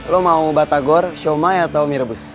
lo mau batagor soma atau myrebus